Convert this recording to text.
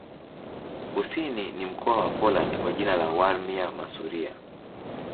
Kusini ni mkoa wa Poland kwa jina la Warmia-Masuria.